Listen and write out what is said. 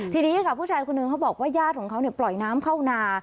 ทีนี้ค่ะผู้ชายคนหนึ่งเขาบอกว่าญาติของเขาปล่อยน้ำเข้านา